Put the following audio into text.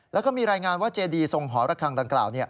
แล้วก็มีรายงานว่าเจดีทรงหอระคังดังกล่าว